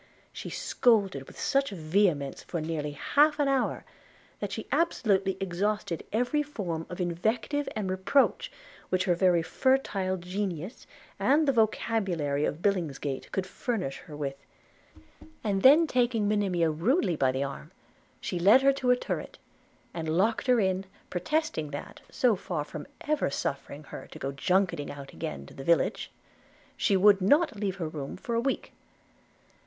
She scolded with such vehemence for near half an hour, that she absolutely exhausted every form of invective and reproach which her very fertile genius, and the vocabulary of Billingsgate, could furnish her with; and then taking Monimia rudely by the arm, she led her to the turret, and locked her in, protesting that, so far from ever suffering her to go junketing out again to the village, she would not leave her room for a week.